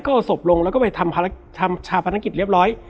ก็เอาศพลงแล้วก็ไปทำชาพนักกิจเรียบร้อย